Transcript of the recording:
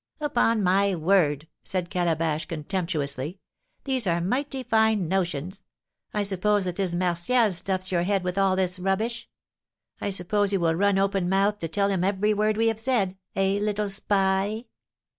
"Upon my word," said Calabash, contemptuously, "these are mighty fine notions! I suppose it is Martial stuffs your head with all this rubbish. I suppose you will run open mouthed to tell him every word we have said, eh, little spy?